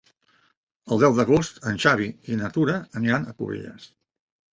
El deu d'agost en Xavi i na Tura aniran a Cubelles.